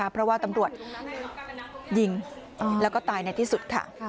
เพราะว่าตำรวจยิงแล้วก็ตายในที่สุดค่ะ